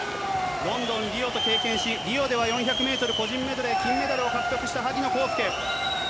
ロンドン、リオと経験し、リオでは４００メートル個人メドレー金メダルを獲得した萩野公介。